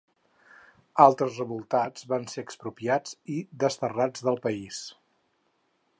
Altres revoltats van ser expropiats i desterrats del país.